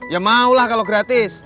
ya maulah kalo gratis